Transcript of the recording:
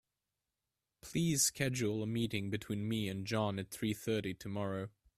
Please schedule a meeting between me and John at three thirty tomorrow.